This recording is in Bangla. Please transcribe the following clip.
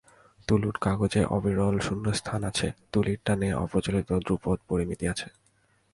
তুলট কাগজে অবিরল শূন্যস্থান আছে, তুলির টানে অপ্রচলিত ধ্রুপদ পরিমিতি আছে।